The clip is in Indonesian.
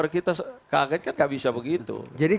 kita kaget kan nggak bisa begitu